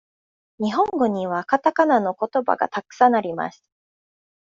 日本語にはかたかなのことばがたくさんあります。